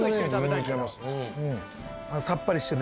さっぱりしてるね。